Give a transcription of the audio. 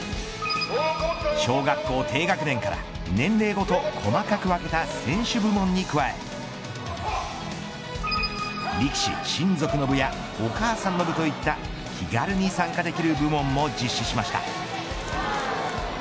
小学校低学年から年齢ごと細かく分けた選手部門に加え力士親族の部やお母さんの部、といった気軽に参加できる部門も実施しました。